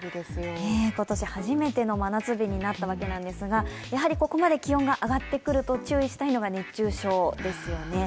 今年初めての真夏日になったわけですがやはりここまで気温が上がってくると注意したいのが熱中症ですよね。